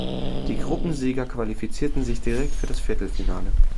Die Gruppensieger qualifizierten sich direkt für das Viertelfinale.